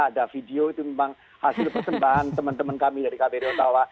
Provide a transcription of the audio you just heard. ada video itu memang hasil persembahan teman teman kami dari kbri otawa